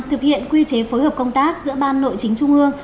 thực hiện quy chế phối hợp công tác giữa ban nội chính trung ương